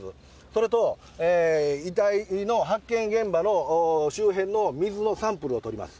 それと、遺体の発見現場の周辺の水のサンプルを採ります。